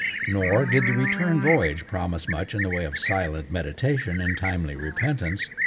Nor did the return voyage promise much in the way of silent meditation and timely repentance.